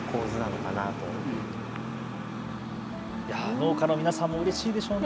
農家の皆さんもうれしいでしょうね。